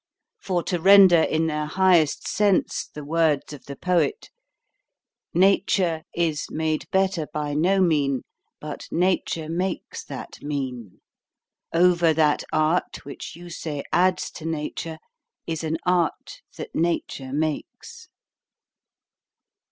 For, to render in their highest sense the words of the poet 'Nature is made better by no mean, But nature makes that mean; over that art Which you say adds to nature, is an art That nature makes.'